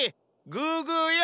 グーグーよ。